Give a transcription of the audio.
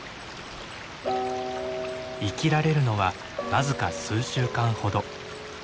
生きられるのは僅か数週間ほど。